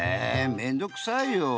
めんどうくさいよ！